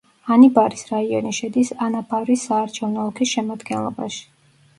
ანიბარის რაიონი შედის ანაბარის საარჩევნო ოლქის შემადგენლობაში.